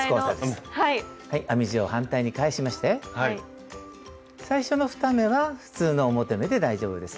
編み地を反対に返しまして最初の２目は普通の表目で大丈夫です。